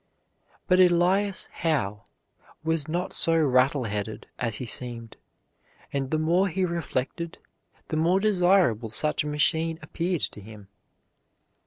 But Elias Howe was not so rattle headed as he seemed, and the more he reflected, the more desirable such a machine appeared to him.